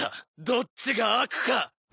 どっちが悪か！」